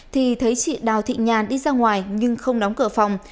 thì thấy chị đào thị nhàn đi ra ngoài nhưng không đóng cửa phòng